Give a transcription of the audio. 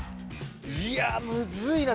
いやむずいな。